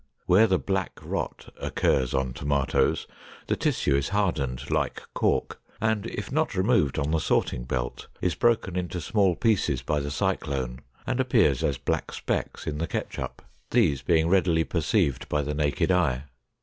Where the black rot occurs on tomatoes, the tissue is hardened like cork, and if not removed on the sorting belt, is broken into small pieces by the cyclone, and appears as black specks in the ketchup, these being readily perceived by the naked eye.